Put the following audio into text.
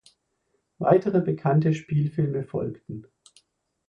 Weitere bekannte Spielfilme folgten.